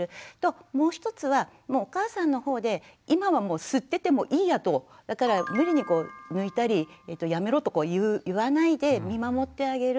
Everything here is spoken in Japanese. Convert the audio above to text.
もう一つはお母さんのほうで今は吸っててもいいやとだから無理にこう抜いたりやめろと言わないで見守ってあげる。